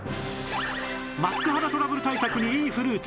マスク肌トラブル対策にいいフルーツ